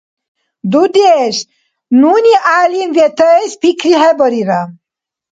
– Дудеш, нуни гӀялим ветаэс пикрихӀебарира...